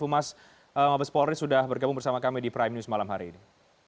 humas mabes polri sudah bergabung bersama kami di prime news malam hari ini